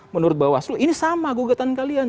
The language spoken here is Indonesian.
menurut bawaslu ini sama gugatan kalian